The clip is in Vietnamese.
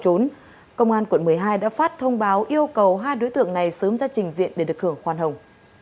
cơ quan công an quận một mươi hai đã phát thông báo yêu cầu hai đối tượng này sớm ra trình diện để được hưởng khoan hồng